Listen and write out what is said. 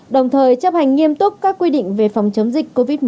đồng thời chấp hành nghiêm túc các quy định về phòng chống dịch covid một mươi chín